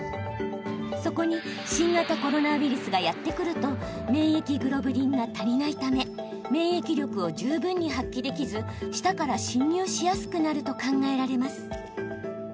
そこに、新型コロナウイルスがやって来ると免疫グロブリンが足りないため免疫力を十分に発揮できず舌から侵入しやすくなると考えられます。